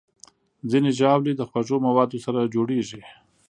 ځینې ژاولې د خوږو موادو سره جوړېږي.